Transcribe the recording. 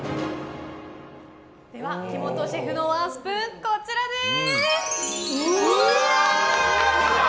では木本シェフのワンスプーンこちらです。